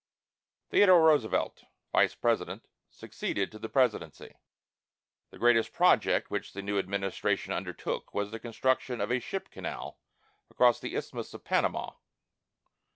Theodore Roosevelt, Vice President, succeeded to the Presidency. The greatest project which the new administration undertook was the construction of a ship canal across the Isthmus of Panama.